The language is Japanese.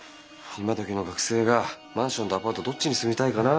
今どきの学生がマンションとアパートどっちに住みたいかな？